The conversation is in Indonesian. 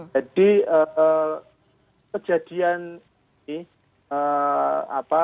jadi kejadian ini apa